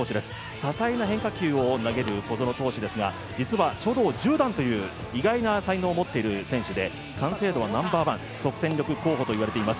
多彩な変化球を投げる小園選手ですが、実は書道十段という意外な才能を持っている選手で完成度はナンバーワン即戦力候補と入れています。